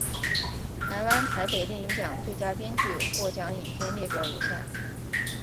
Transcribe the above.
台湾台北电影奖最佳编剧获奖影片列表如下。